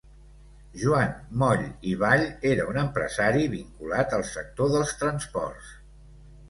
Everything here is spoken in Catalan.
Joan Moll i Vall era un empresari vinculat al sector dels transports.